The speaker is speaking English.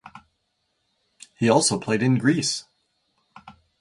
He also played in Greece.